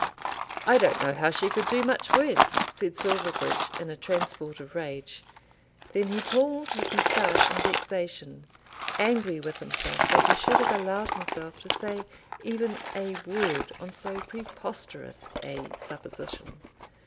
"I don't know how she could do much worse," said Silverbridge in a transport of rage. Then he pulled his moustache in vexation, angry with himself that he should have allowed himself to say even a word on so preposterous a supposition.